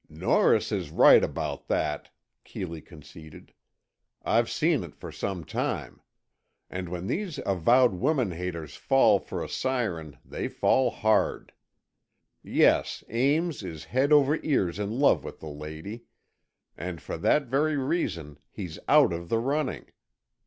"Norris is right about that," Keeley conceded. "I've seen it for some time. And when these avowed woman haters fall for a siren, they fall hard. Yes, Ames is head over ears in love with the lady, and for that very reason, he's out of the running.